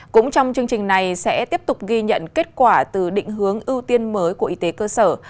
cũng trong chương trình này sẽ tiếp tục ghi nhận kết quả từ định hướng ưu tiên mới của y tế cơ sở